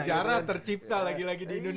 sejarah tercipta lagi lagi di indonesia